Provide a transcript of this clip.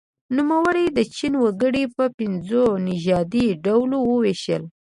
نوموړي د چین وګړي په پنځو نژادي ډلو وویشل.